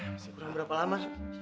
masih kurang berapa lama